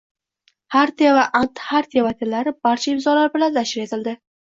Xartiya va Anti-Xartiya matnlari barcha imzolari bilan nashr etildi.